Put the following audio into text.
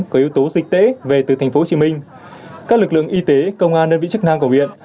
có yếu tố dịch tễ về từ tp hcm các lực lượng y tế công an đơn vị chức năng của huyện